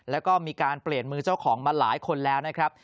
แล้วก็มีการเปลี่ยนมือเจ้าของมาหลายคนแล้วนะครับ